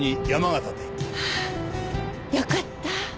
ああよかった。